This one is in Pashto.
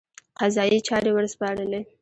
قضایي چارې ورسپارلې.